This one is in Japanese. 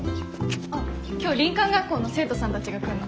あっ今日林間学校の生徒さんたちが来んの。